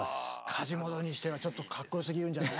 カジモドにしてはちょっとかっこよすぎるんじゃない？